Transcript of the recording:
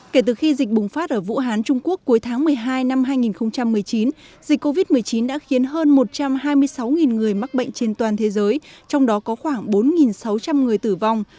kể từ khi dịch bùng phát ở vũ hán trung quốc cuối tháng một mươi hai năm hai nghìn một mươi chín dịch covid một mươi chín đã khiến hơn một trăm hai mươi sáu người mắc bệnh trên toàn thế giới trong đó có khoảng bốn sáu trăm linh người tử vong